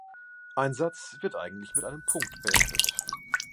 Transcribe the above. Ein Satz wird eigentlich mit einem Punkt beendet.